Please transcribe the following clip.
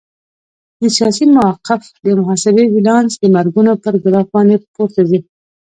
د سیاسي موقف د محاسبې بیلانس د مرګونو پر ګراف باندې پورته ځي.